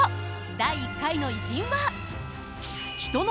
第１回の偉人は。